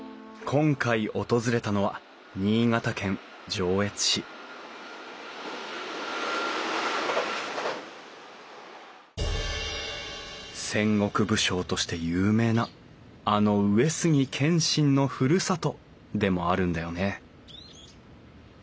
今回訪れたのは新潟県上越市戦国武将として有名なあの上杉謙信のふるさとでもあるんだよね